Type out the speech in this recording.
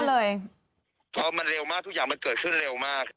พอมันเร็วมากทุกอย่างมันเกิดขึ้นเร็วมาก